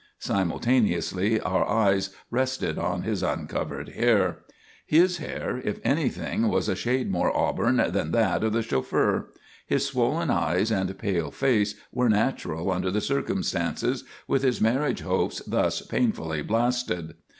Simultaneously our eyes rested on his uncovered hair. His hair, if anything, was a shade more auburn than that of the chauffeur! His swollen eyes and pale face were natural under the circumstances, with his marriage hopes thus painfully blasted.